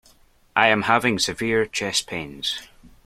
I am having severe chest pains.